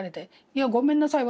「いやごめんなさい